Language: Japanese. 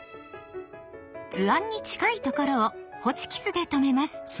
図案に近いところをホチキスでとめます。